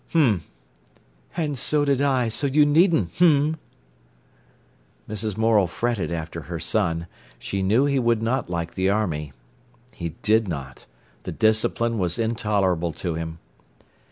"H'm!" "And so did I, so you needn't 'h'm'!" Mrs. Morel fretted after her son. She knew he would not like the army. He did not. The discipline was intolerable to him.